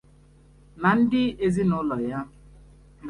na ndị ezi n’ụlọ ya